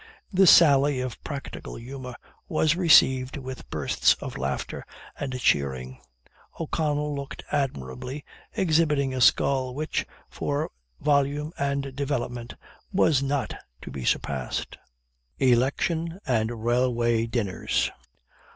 This sally of practical humor was received with bursts of laughter and cheering. O'Connell looked admirably, exhibiting a skull which, for volume and development, was not to be surpassed. ELECTION AND RAILWAY DINNERS.